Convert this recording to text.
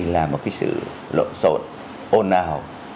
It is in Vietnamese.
là một cái sự lộn xộn ồn ào